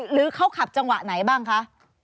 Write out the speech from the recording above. หรือเขาขับจังหวะไหนบ้างคะ